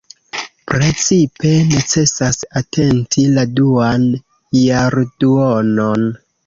Precipe necesas atenti la duan jarduonon.